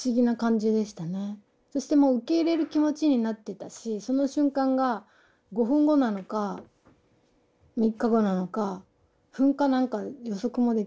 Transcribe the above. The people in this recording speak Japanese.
そしてもう受け入れる気持ちになってたしその瞬間が５分後なのか３日後なのか噴火なんか予測もできないし。